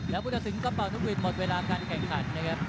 แล้ววุถักศริงก์ก็เปล่าทุกวิทย์หมดเวลาการแข่งขันครับ